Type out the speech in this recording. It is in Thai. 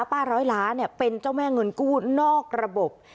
ร้อยล้านเป็นเจ้าแม่เงินกู้นอกระบบ